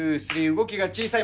動きが小さい。